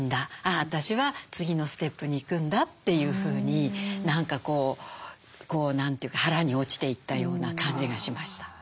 あ私は次のステップに行くんだ」というふうに何かこう何て言うか腹に落ちていったような感じがしました。